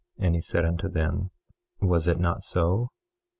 And he said unto them: Was it not so?